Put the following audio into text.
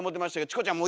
チコちゃん